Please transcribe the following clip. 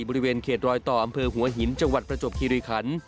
บริเวณเขตรอยต่ออำเภอหัวหินจังหวัดประจวบคิริคัน